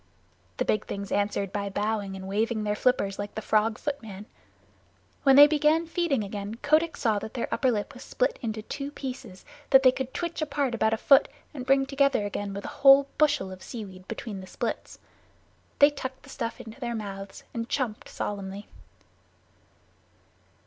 The big things answered by bowing and waving their flippers like the Frog Footman. When they began feeding again Kotick saw that their upper lip was split into two pieces that they could twitch apart about a foot and bring together again with a whole bushel of seaweed between the splits. They tucked the stuff into their mouths and chumped solemnly.